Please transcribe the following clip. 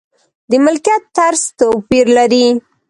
د ملکیت طرز توپیر لري.